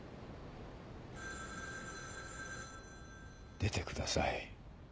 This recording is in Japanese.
☎出てください。